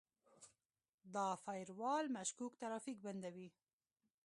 دا فایروال مشکوک ترافیک بندوي.